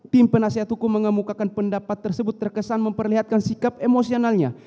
tim penasihat hukum mengemukakan pendapat tersebut terkesan memperlihatkan sikap emosionalnya